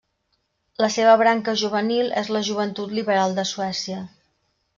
La seva branca juvenil és la Joventut Liberal de Suècia.